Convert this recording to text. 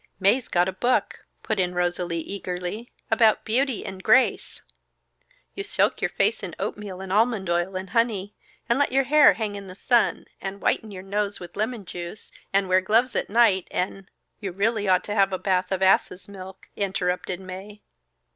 "Mae's got a book," put in Rosalie eagerly, "about 'Beauty and Grace.' You soak your face in oatmeal and almond oil and honey, and let your hair hang in the sun, and whiten your nose with lemon juice, and wear gloves at night, and " "You really ought to have a bath of asses' milk," interrupted Mae.